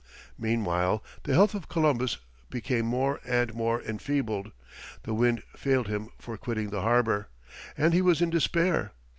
Meanwhile, the health of Columbus became more and more enfeebled; the wind failed him for quitting the harbour, and he was in despair.